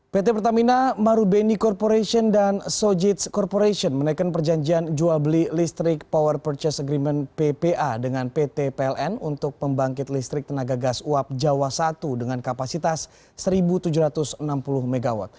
pt pertamina marubeni corporation dan sojits corporation menaikkan perjanjian jual beli listrik power purchase agreement ppa dengan pt pln untuk pembangkit listrik tenaga gas uap jawa i dengan kapasitas satu tujuh ratus enam puluh mw